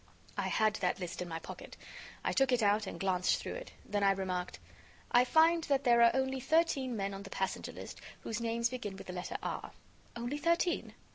I had that list in my pocket. I took it out and glanced through it. Then I remarked: "I find that there are only thirteen men on the passenger list whose names begin with the letter R." "Only thirteen?"